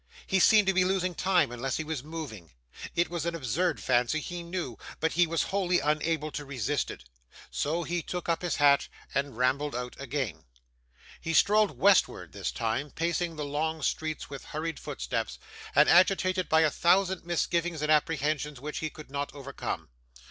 He seemed to be losing time unless he was moving. It was an absurd fancy, he knew, but he was wholly unable to resist it. So, he took up his hat and rambled out again. He strolled westward this time, pacing the long streets with hurried footsteps, and agitated by a thousand misgivings and apprehensions which he could not overcome.